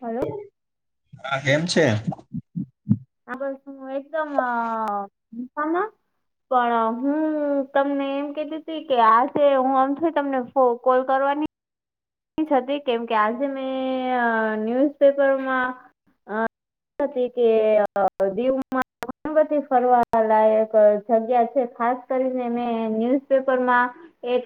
Hello. હા કેમ છે? આ બ એકદમમાં. પણ હું તમને એમ કેધી તી કે આજે હું આમ થ તમને કોલ કરવાની કેમકે આજે મેં ન્યુઝપેપરમાં ન્યૂઝ હતી કે દીવમાં ઘણી બી ફરવા લાયક જગ્યા છે ખાસ કરીને મે ન્યુઝપેપરમાં એક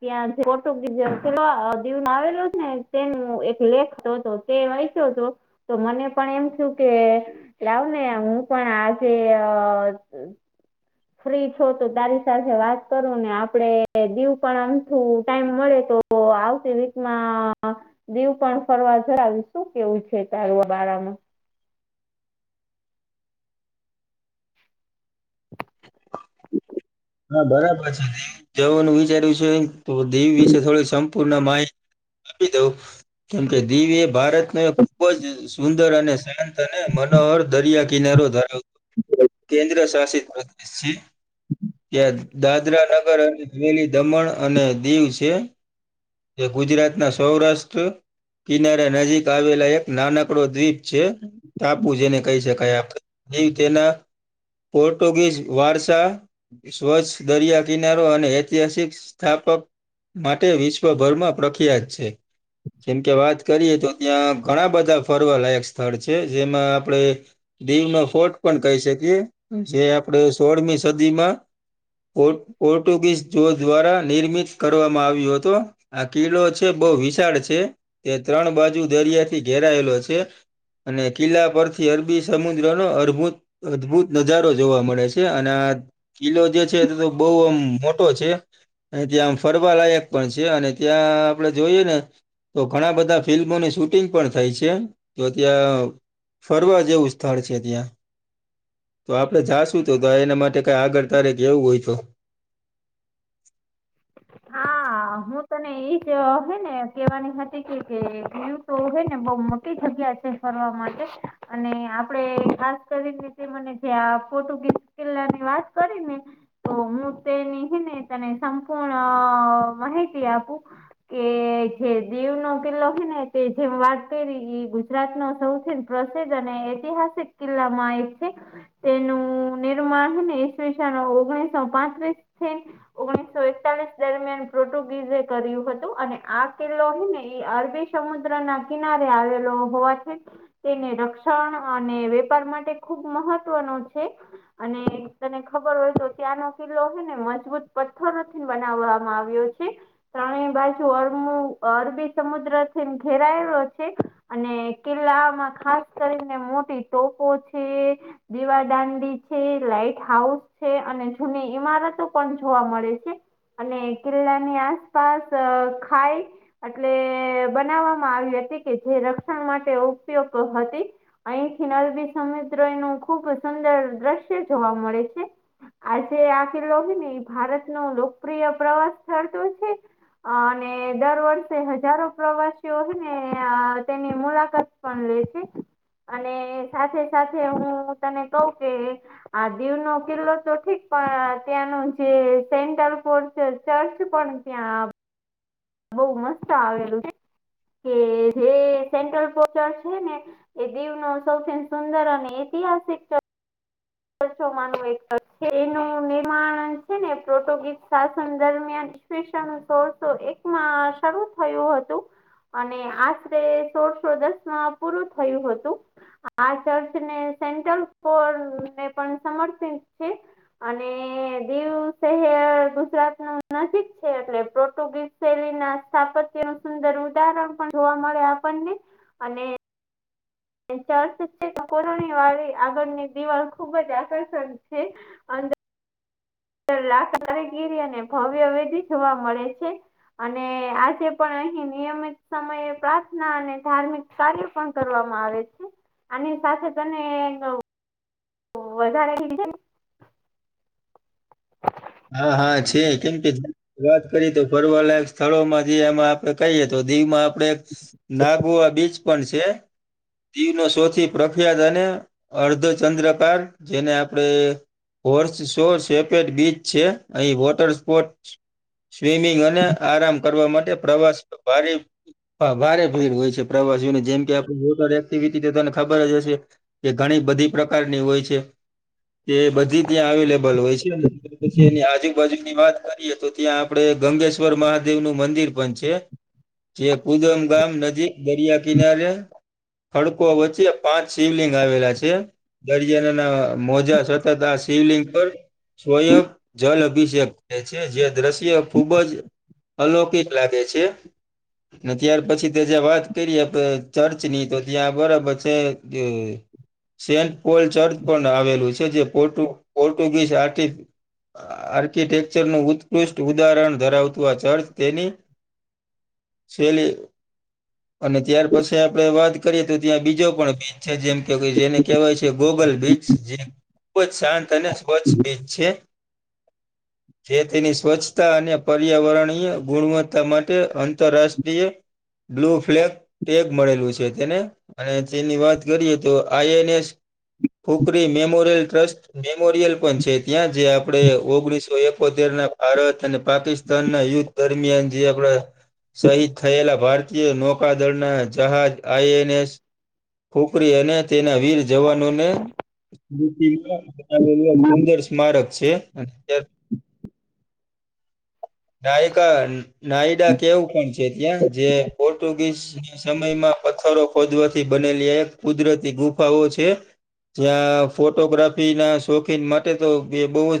ત્યાં કોટોગીજ પેલો આવેલો ને તેનું એક લેખ હતો તે વાચ્યો હતો તો મને પણ એમ થિયુ કે લાવ ને હું પણ આજે ફ્રી છું તો તારી સાથે વાત કરું ને આપડે દીવ પણ આમઠું ટાઈમ મળે તો તો આવતી વીકમાં દીવ પણ ફરવા જરાાવ્યું શું કેવું છે તારુ આ બાળામાં હા બરાબર છે જવાનું વિચાર્યું છે તો દેવી વિશે થોડી પૂર્ણ માહિતી આપી દઉ કેમકે દિવ ભારતને ખૂબ જ ર અને શાંત અને મનોહર દરિયા કિનારો ધરાવતો કેન્દ્ર શાસિત પ્રદેશ. [unintelligible] ત્યાં દાદરા નગર અને આવેલી દમણ અને દીવ છે. એ ગુજરાતના સૌરાષ્ટ્ર કિનારા નજીક આવેલા એક નાનકડો દ્વીપ છે તા પૂજે ને કહી શકાય આપ દ તેના પોર્ટુગીઝ વારસા સ્વચ્છ દરિયા કિનારો અને ઐતિહાસિક સ્થાપક માટે વિશ્વભરમાં પ્રખ્યાત છે. જેમ કે વાત કરીએ તો ત્યાં ઘણા બધા ફરવા લાયક સ્થળ છે જેમાં આપણે દીવ નો ફોર્ટ પણ કહી શકીએ જે આપડે સોળમી સદીમાં પો પોર્ટુગીઝ જો દ્વારા નિર્મિત કરવામાં આવ્યો હતો. આ કિલ્લો છે બહુ વિશાળ છે તે ત્રણ બાજુ દરિયાથી ઘેરાયેલો છે. અને કિલ્લા પરથી અરબી સમુદ્ર ન અરભૂત. અદભુત નજારો જોવા મળે છે અને આ કિલ્લો જે છે તો બહુ આમ મોટો છે. ત્યાં આમ ફરવાલાયક પણ છે અને ત્યાં આપડે જોઈએ ને. તો ઘણા બધા ફિલ્મોની શૂટિંગ પણ થઈ છે તો ત્યાં ફરવા જેવું સ્થળ છે ત્યાં તો આપડે જાશું તો તો એના માટે. આગળ તારે કેવું હોય તો. હા હું તને એજ અ હે ને કેવાની હતી કે કે. તો હે ને બહુ મોટી જગ્યા છે ફરવા માટે. અને આપડે ખાસ કરીને તે મને જેયા પોર્ટુગીઝ કિલ્લો ની વાત કરીને તો હું તેની હે ને તને. [inaudible] અ માહિતી આપું. કે જે દીવ નો કિલ્લો હે ને તે જે વાત કરી. ગુજરાત નો સૌથી પ્રસિદ્ધ અને ઐતિહાસિક કિલ્લામાં એક છે. તેનું નિર્માણ હે ને ઈસવીસન ઓગણીસો પાંત્રીસ થી ઓગળીસ સો એકતાલીસ દરમિયાન પોર્ટુગીઝે કર્યું હતું અને આ કિલ્લો હે ને ઈ અરબી સમુદ્ર ના કિનારે આવેલો હોવા છે. તેને રક્ષણ અને વેપાર માટે ખુબ મહત્વનો છે. અને તને ખબર હોય તો ત્યાંનો કિલ્લો હે ને મજબૂત પથ થરો થી બનાવવામાં આવ્યો છે. ત્રણેય બાજુ અર અરબી સમુદ્ર થી ઘેરાયેલો છે. અને કિલ્લામાં ખાસ કરીને મોટી ટોપો છે. દીવા દાંડી છે લાઈટ હાઉસ છે અને જૂની ઈમારતો પણ જોવા મળે. [unintelligible] અને કિલ્લાની આસપાસ અ ખાઈ એટલે બનાવવામાં આવી હતી કે જે રક્ષણ માટે ઉપયોગ હતી. અહીંથી ન અરબી સમુદ્ર એનું ખૂબ સુંદર દ્રશ્ય જોવા મળે છે. આજે આ કિલ્લો છે ને એ ભારત નું લોકપ્રિય પ્રવાસ સ્થળ તો છે જ. આ અને દર વર્ષે હજારો પ્રવાસીઓ હે ને અ તેની મુલાકાત પણ લે છે અને સાથે સાથે હું તને કઉ કે આ દીવ નો કિલ્લો તો ઠીક પણ ત્યાંનો જે સેન્ટન્ટલ પો ચર્ચ પણ ત્યાં બહુ મસ્ત આવેલું છે કે જે સેન્ટ્રલ પોટલ છે ને એ દીવ ન સૌથી સુંદર અને ઐતિહાસિક [unintelligible] એક છે એનું નિર્માણ છે ને પોર્ટુગીઝ શાસન દરમિયાન ઈશવીસન સોળસો એકમાં શરૂ થયું હતું. અને આશરે સોળસો દસ માં પૂરું થયું હતું. આ ચર્ચ ને સેન્ટલ પર ને પણ સમર્પિત છે અને કે દીવ શહેર ગુજરાત નું નજીક છે એટલે પોર્ટુગીઝ શૈલી ના સ્થાપત્ય નું સુંદર ઉદાહરણ પણ જોવા મળે આપણને અને ચર્ચ છે તો કોલોની વાળી આગળની દિવાલ ખુબ જ આકર્ષિત છે અને લાખ કારીગીરીને ભવ્ય [unintelligible] જોવા મળે છે. અને આજે પણ અહી નિયમિત સમયે પ્રાર્થના અને ધાર્મિક. કાર્ય પણ કરવામાં આવે છે અને સાથે તને અ વધારે [unintelligible] હા હા છેી કેમ વાત કરીએ તો ફરવાલાયક સ્થળોમાં જે એમાં આપડે કહીએ તો દીવમાં આપડણે નાગુઆ બીચ પણ છે. દીવનો સૌથી પ્રખ્યાત અને અર્ધો ચંદ્રકાર જેને આપણે હોર્સ શોર સેપેડ બીચો છે અહી વોટર સ્પોર્ટ સ્વિમિંગ અને આરામ કરવા માટે પ્રવાસ ભરે, હા ભારે ભીડ હોય છે પ્રવાસીઓને જેમ કે આપ મોટર એક્ટિવિટી તને ખબર જ હશે. કે ઘણી બધી પ્રકારની હોય છે તે બધી ત્યાં અવેલેબલ હોય છે. પછી એની આજુબાજુ ની વાત કરીએ તો ત્યાં આપડે ગંગેશ્વર મહાદેવ નું મંદિર પણ છે. જે કુદમ ગામ નજીક દરિયા કિનારે ખડકો વચ્ચે પાંચ શિવલિંગ આવેલા છે. દરિયાનાના મોજા સતત આ શિવલિંગ પર સ્વયં જલ અભિષેક છે જે દ્રશ્ય ખૂબ જ અલોૌકિક લાગે છે. ને ત્યાર પછી તો જ્યાં વાત કરીએ ચર્ચની તો ત્યાં બરાબર છે. સેન્ટ પોલ ચર્ચ પણ આવેલું છે જે પો પોર્ટુગીઝ આર્ટ આર્કિટેક્ચરનું ઉત્કૃષ્ટ ઉદાહરણ ધરાવતું ચર્ચ તેની [inaudible] સેલી અને ત્યાર પછી આપડે વાત કરીએ તો ત્યાં બીજો પણ જેમ કે જેને કહેવાય છે ગોગલ બીચ જે ખુબ જ શાંત અને સ્વચ્છ બીચ છે. [inaudible] જે તેની સ્વચ્છતા અને પર્યાવરણીય ગુણવત્તા માટે આંતરરાષ્ટ્રીય બ્લુ ફ્લેગ ટેગ મળેલું છે તેને અને તેની વાત કરીએ તો INS Khukri memorial trust memorial પણ છે. ત્યાં જે આપણે ઓગણીસો એકોતેર ના ભારત અને પાકિસ્તાન ના યુદ્ધ દરમિયાન જે આપડા સહીદ થયેલા ભારતીય નૌકાદળના જહાજ આઈએનએસ ખોકરી અને તેના વીર જવાનોને સ્તિ લું એક સુંદર સ્મારક છે. નાયકા નાયડા કેવું પણ છે ત્યાં જે પોર્ટુગીઝ સમયમાં પથ્થરો ખોદવાથી બનેલી એક કુદરતી ગુફાઓ છે. જ્યાં ફોટોગ્રાફી ના શોખીન માટે તો એ બહુ જ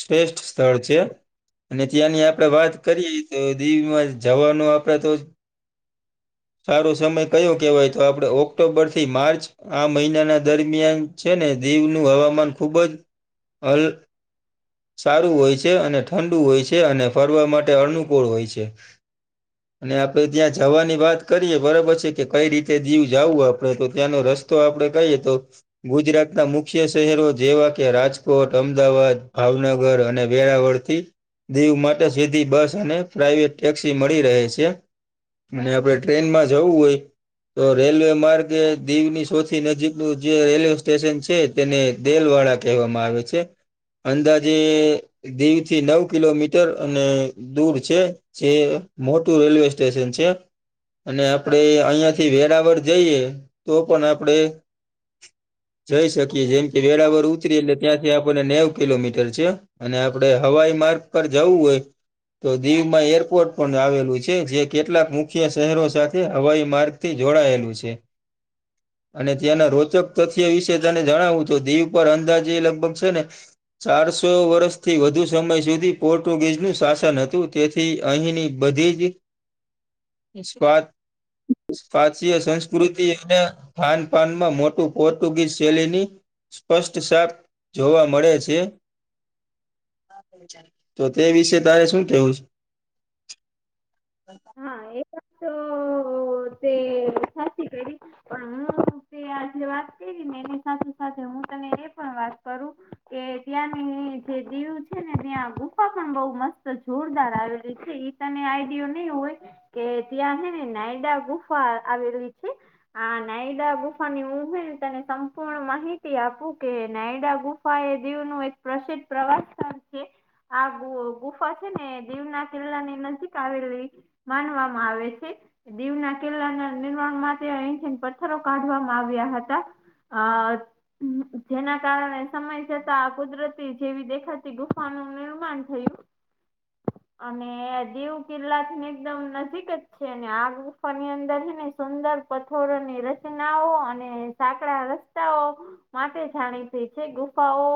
શ્રેષ્ઠ સ્થળ છે. અને ત્યાંની આપડણે વાત કરીએ તો દીવમાં જવાનું આપડે તો સારો સમય કયો કહેવાય તો આપણે ઓક્ટોબર થી માર્ચ આ મહિનાના દરમિયાન છે ને દીવ નું હવામાન ખુબ જ [inaudible] સારું હોય છે અને ઠંડુ હોય છે અને ફરવા માટે અનુકૂળ હોય છે. [inaudible] અને આપડે ત્યાં જવાની વાત કરીએ બરાબર છે કે કઈ રીતે દીવ જવું આપડે તો ત્યાંનો રસ્તો આપડે કહીએ તો ગુજરાત ના મુખ્ય શહેરો જેવા કે રાજકોટ અમદાવાદ ભાવનગર અને વેરાવળથી દીવ માટે સીધી બસ અને પ્રાઈવેટ ટેક્સી મળી રહે છે. અને આપડે ટ્રેનમાં જવું હોય. તો રેલવે માર્ગ દીવની સોથી નજીકનું જે રેલવે સ્ટેશન છે તેને દેલ વાડા કહેવામાં આવે છે અંદાજે દીવ થી નવ કિલોમીટર અને દૂર છે. જે મોટું રેલવે સ્ટેશન છે. અને આપણે અહિયાં થી વેરાવળ જઈએ તો પણ આપણેે જઈ શકીએ જેમ કે વેરાવર એટલે ત્યાંથી આપણને નેવ કિલોમીટર છે અને આપડણે હવાઈ માર્ગ પર જવું હોય. તો દીવમાં એરપોર્ટ પણ આવેલું છે જે કેટલાક મુખ્ય શહેરો સાથે હવાઈ માર્ગ થી જોડાયેલું છે. અને ત્યાંના રોચક તથ્ય વિશે તને જણાવું છો દીવ પર અંદાજ એ લગભગ છે ને ચારસો વર્ષથી વધુ સમય સુધી પોર્ટુગીઝનું શાસન હતું તે થી અહીંની બધી ભારતીય સંસ્કૃતિ અને ખાન પાાનમાં મોટું પોર્ટુગીઝ શૈલીની સ્પષ્ટ સાપ જોવા મળે છે. તો તે વિશે તારે શું કેવું છે? હા એક વા તો તે સા કડી પણ હું તે આજે વાત કરી ને એની સાથે સાથે હું તને એ પણ વાત કરું. એ ત્યાંની જે દીવું છે ને ત્યાં ગુફા પણ બઉ મસ્ત જોરદાર આવેલી છે. અનેને આઈ [inaudible] કે ત્યાં છે ને નાયડા ગુફા આવેલી છે. આ નાયડા ગુફાની ઉું હને તને સંપૂર્ણ માહિતી આપું કે નાયડા ગુફા એ દીવ નું એક પ્રસિદ્ધ પ્રવાસ છે. આ ગુફા છે ને દીવના કિલ્લા ની નજીક આવેલી માનવામાં આવે છે. દીવના કિલ્લાના નિર્માણ માટે અહીંથી પથ્થરો કાઢવામાં આવ્યા હતા. હ. જેના કારણે સમય જતા કુદરતી જેવી દેખાતી ગુફાનું નિર્માણ થયું. [inaudible] અને દીવ કિલ્લા એકદમ નજીક જ છે આ ગુફા ની અંદર છેને સુંદર પથોરો ની રે. ના અને સાકડા રસ્તાઓ માટે જાણીતી છે ગુફાઓ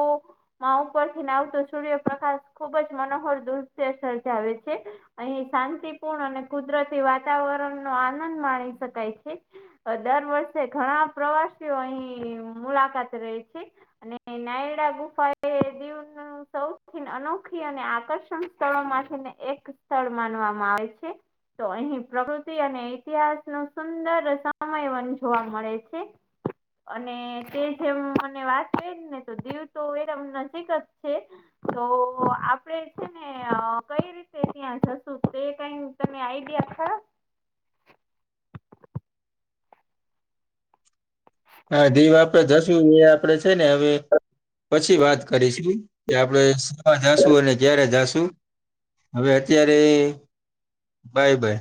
માં ઉપર થી ના આવતો સૂર્યપ્રકાશ ખુબ જ મનોહર દુરતે સર્જાવે છે. અહીં શાંતિપૂર્ણ અને કુદરતી વાતાવરણ નો આનંદ માણી શકાય છે. દર વર્ષે ઘણા પ્રવાસીઓ અહી મુલાકાત રહી છે. અને નાયડા ગુફા એ દવ સૌથી અનોખી અને આકર્ષણ સ્થળો માટેને એક સ્થળ. માનવામાં આવે છે. તો અહી પ્રકૃતિ અને ઇતિહાસ નું સુંદર સમયવન જોવા મળે છે. અને તે જેમ મને વાત કરી ને તો દીવ તો એમ નજીક જ છે. તો આપડે છે ને કઈ રીતે ત્યાં જ શું તે કઈ તમે આઈડિયા ખરો હા દીવ આપડે જશું એ આપડે છે ને હવે પછી વાત કરીશું. કે આપડે શીખવા જાશું અને જ્યારે જાશુ. હવે અત્યારે બાય બાય.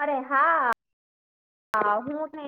અરે હા હું [unintelligible]